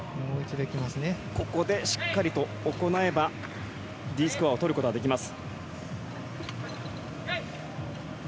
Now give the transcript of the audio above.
ここでしっかり行えばＤスコアを取ることができます。